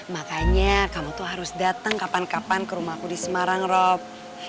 makanya kamu tuh harus datang kapan kapan ke rumahku di semarang rob